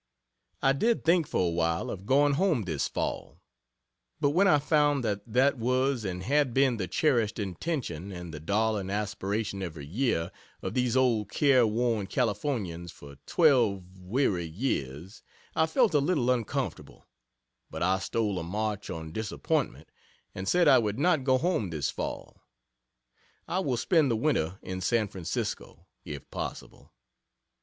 I did think for awhile of going home this fall but when I found that that was and had been the cherished intention and the darling aspiration every year, of these old care worn Californians for twelve weary years I felt a little uncomfortable, but I stole a march on Disappointment and said I would not go home this fall. I will spend the winter in San Francisco, if possible.